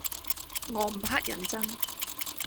我唔乞人憎